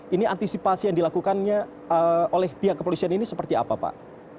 ini antisipasi yang dilakukannya oleh pihak kepolisian ini seperti apa pak